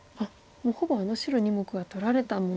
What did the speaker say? もうほぼあの白２目は取られた。